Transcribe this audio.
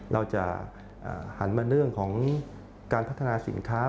เราจะหันมาเรื่องของการพัฒนาสินค้า